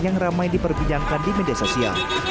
yang ramai diperbincangkan di media sosial